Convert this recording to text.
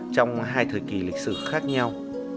trong hai thời kỳ lịch sử khác nhau